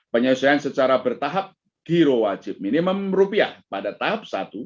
penyelesaian secara bertahap giro wajib minimum rupiah pada tahap satu